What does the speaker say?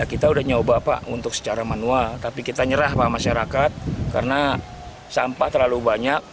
kita sudah nyoba pak untuk secara manual tapi kita nyerah pak masyarakat karena sampah terlalu banyak